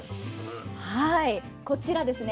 はいこちらですね